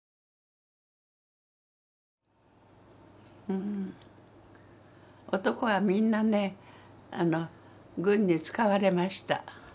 うん男はみんなね軍に使われました。